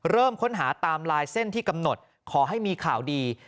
เริ่มค้นหาตามลายเส้นที่กำหนดขอให้มีข่าวดี